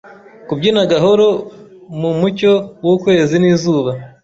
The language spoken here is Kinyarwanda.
Kubyina gahoro mu mucyo w'ukwezi nizuba